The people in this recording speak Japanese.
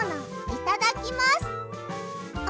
いただきます！